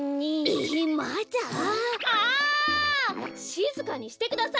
しずかにしてください！